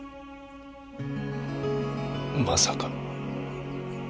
まさか。